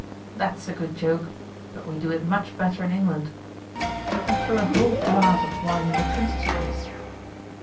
'That's a good joke; but we do it much better in England;' and threw a whole glass of wine in the Prince's face.